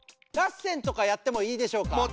ラッセンとかやってもいいでしょうか。